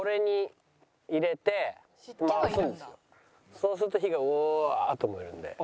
そうすると火がうわっと燃えるんで。